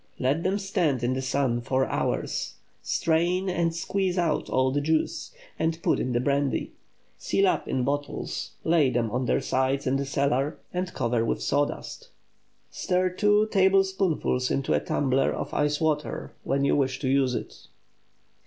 Let them stand in the sun four hours; strain and squeeze out all the juice, and put in the brandy. Seal up in bottles; lay them on their sides in the cellar, and cover with sawdust. Stir two tablespoonfuls into a tumbler of ice water when you wish to use it.